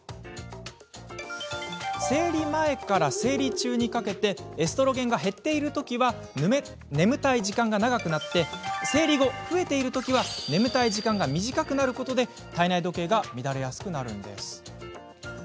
生理前から生理中にかけてエストロゲンが減っているときは眠たい時間が長くなり生理後、エストロゲンが増えているときは眠たい時間が短くなることで体内時計が乱れやすくなるんです。